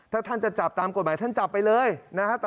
ถ้าท่านจะจับตามกฎหมายท่านจับไปเลยนะฮะ